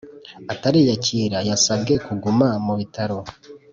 atariyakira yasabwe kuguma mu bitaro